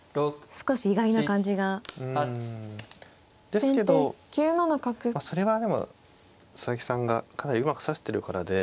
ですけどそれはでも佐々木さんがかなりうまく指してるからで